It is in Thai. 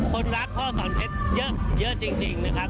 คนรักพ่อสอนเพชรเยอะจริงนะครับ